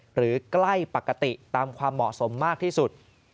ใกล้ปกติตามความเหมาะสมมากที่สุด